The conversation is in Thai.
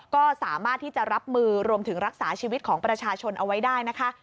ก็สามารถที่จะรับมือรวมถึงรักษาชีวิตของประชาชนเอาไว้ได้นะคะ